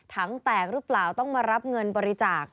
แตกหรือเปล่าต้องมารับเงินบริจาค